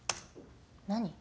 何？